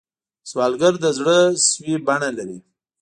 سوالګر د زړه سوې بڼه لري